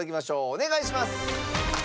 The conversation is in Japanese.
お願いします！